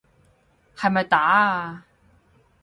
係咪打啊？